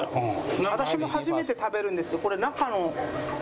私も初めて食べるんですけどこれ中のチーズが。